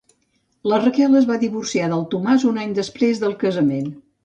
La Raquel es va divorciar del Tomàs un any després del casament.